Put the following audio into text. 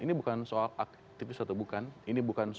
ini bukan soal aktivis atau bukan